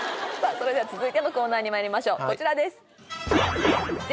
それでは続いてのコーナーにまいりましょうこちらです何何？